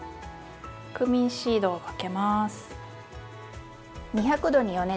クミンシードをかけます。